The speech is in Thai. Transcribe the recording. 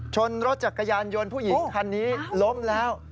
ชนรถจักรยานยนต์ผู้หญิงคันนี้ล้มแล้ว